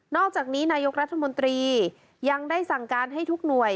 อกจากนี้นายกรัฐมนตรียังได้สั่งการให้ทุกหน่วย